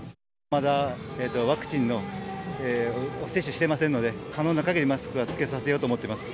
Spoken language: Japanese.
まだワクチンを接種していませんので、可能な限りマスクは着けさせようと思ってます。